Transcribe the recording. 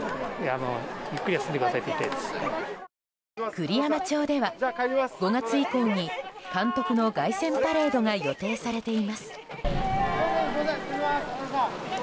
栗山町では５月以降に監督の凱旋パレードが予定されています。